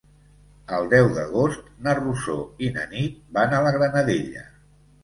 El deu d'agost na Rosó i na Nit van a la Granadella.